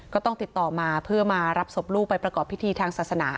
ก็ต้องติดต่อมาเพื่อมารับศพลูกไปประกอบพิธีทางศาสนา